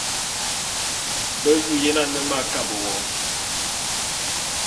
Be zu yen ane m'akabe wo.